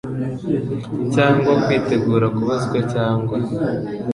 cyangwa kwitegura kubazwa cyangwa